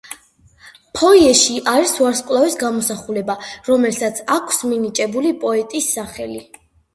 ფოიეში არის ვარსკვლავის გამოსახულება, რომელსაც აქვს მინიჭებული პოეტის სახელი.